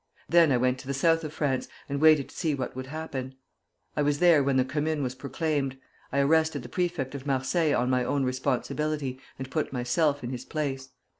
Then I went to the South of France, and waited to see what would happen. I was there when the Commune was proclaimed. I arrested the prefect of Marseilles on my own responsibility, and put myself in his place.